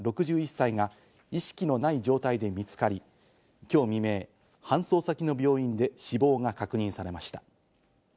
６１歳が意識のない状態で見つかり、今日未明、搬送先の病院で死亡が確認されました。